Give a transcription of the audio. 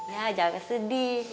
ya jangan sedih